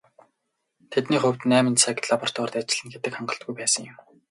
Тэдний хувьд найман цаг лабораторид ажиллана гэдэг хангалтгүй байсан юм.